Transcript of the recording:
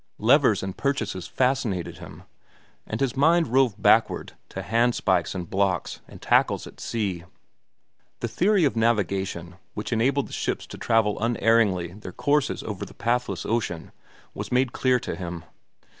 Levers and purchases fascinated him, and his mind roved backward to hand spikes and blocks and tackles at sea. The theory of navigation, which enabled the ships to travel unerringly their courses over the pathless ocean, was made clear to him.